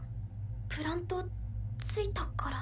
プラント着いたから。